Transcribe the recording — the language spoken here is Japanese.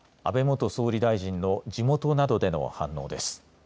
安倍元総理大臣の地元などでの反応です。